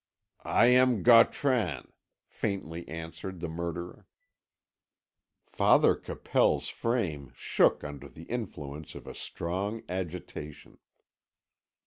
"I am Gautran," faintly answered the murderer. Father Capel's frame shook under the influence of a strong agitation.